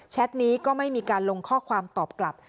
นี้ก็ไม่มีการลงข้อความตอบกลับ